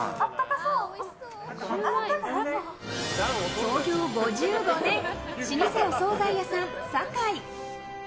創業５５年老舗お総菜屋さん、さかい。